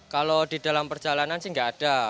kalau di dalam perjalanan sih nggak ada